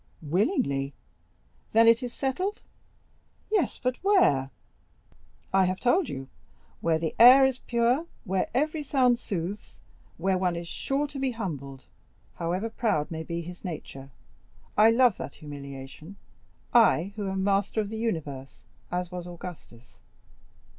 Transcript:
"Willingly." "Then it is settled?" "Yes, but where?" "I have told you, where the air is pure, where every sound soothes, where one is sure to be humbled, however proud may be his nature. I love that humiliation, I, who am master of the universe, as was Augustus."